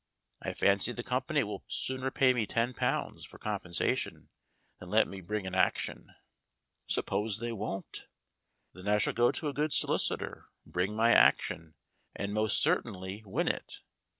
I fancy the company will sooner pay me ten pounds for compen sation than let me bring an action." "Suppose they won't?" "Then I shall go to a good solicitor, bring my action, and most certainly win it.